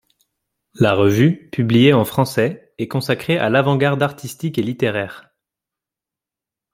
La revue, publiée en français, est consacrée à l'avant-garde artistique et littéraire.